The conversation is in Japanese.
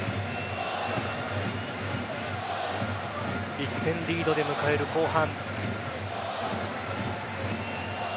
１点リードで迎える後半。